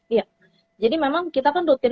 iya jadi memang kita kan rutin